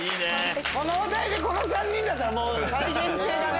このお題でこの３人だったら再現性がね。